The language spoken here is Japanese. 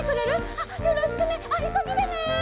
あっよろしくね！いそぎでね！